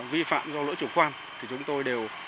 vi phạm do lỗi chủ quan thì chúng tôi đều